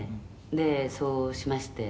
「でそうしまして」